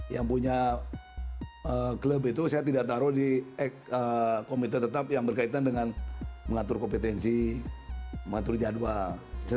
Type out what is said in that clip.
yang punya klub itu saya tidak taruh di komite tetap yang berkaitan dengan mengatur kompetensi mengatur jadwal